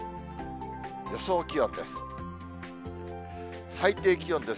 予想気温です。